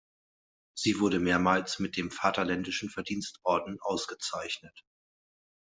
Sie wurde mehrmals mit dem Vaterländischen Verdienstorden ausgezeichnet.